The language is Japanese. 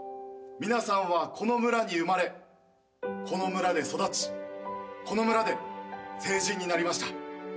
皆さんはこの村に生まれこの村で育ちこの村で成人になりました。